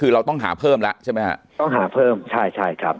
คือเราต้องหาเพิ่มแล้วใช่ไหมฮะต้องหาเพิ่มใช่ใช่ครับ